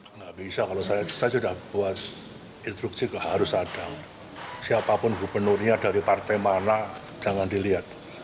tidak bisa kalau saya sudah buat instruksi harus ada siapapun gubernurnya dari partai mana jangan dilihat